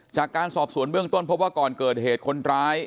จากการสอบสวนเบื้องต้นพบว่าก่อนเกิดเหตุคนร้าย